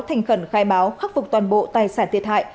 thành khẩn khai báo khắc phục toàn bộ tài sản thiệt hại